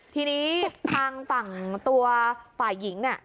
ทีนี้ทางฝั่งตัวฝ่ายหญิงเนี่ย